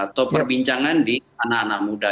atau perbincangan di anak anak muda